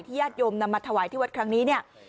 ที่หญาติยมนำมาถวายที่วัดครั้งนี้